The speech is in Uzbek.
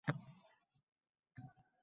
Yomg'ir yog'adiganga o'xshaydi.